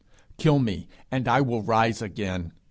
Kill me, and I will rise again.